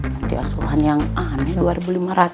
panti asuhan yang aneh rp dua lima ratus